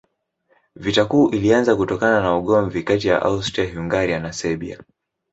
Vita Kuu ilianza kutokana na ugomvi kati ya Austria-Hungaria na Serbia.